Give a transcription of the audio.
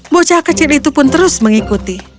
bocah kecil itu pun terus mengikuti